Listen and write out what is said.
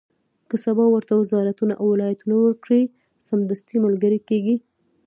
که سبا ورته وزارتونه او ولایتونه ورکړي، سمدستي ملګري کېږي.